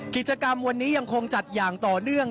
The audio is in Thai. กิจกรรมวันนี้ยังคงจัดอย่างต่อเนื่อง